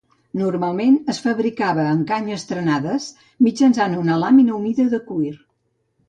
Normalment, es fabricava amb canyes trenades mitjançant una làmina humida de cuir.